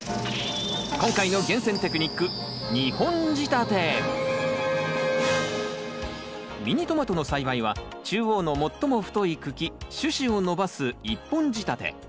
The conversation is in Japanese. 今回のミニトマトの栽培は中央の最も太い茎主枝を伸ばす１本仕立て。